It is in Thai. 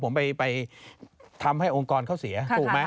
ผมไปทำให้องค์กรเขาเสีย